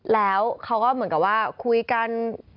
แล้วเขาก็เหมือนกับว่าคุยกัน